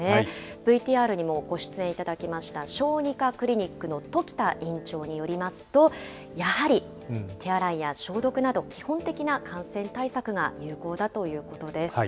ＶＴＲにもご出演いただきました小児科クリニックの時田院長によりますと、やはり、手洗いや消毒など、基本的な感染対策が有効だということです。